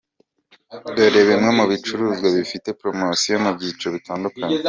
Dore bimwe mu bicuruzwa bifite promotion mu byiciro bitandukanye.